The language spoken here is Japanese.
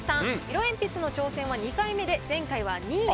色鉛筆の挑戦は２回目で前回は２位。